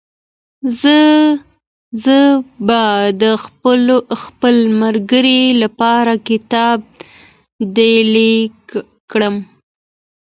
زه به د خپل ملګري لپاره کتاب ډالۍ کړم.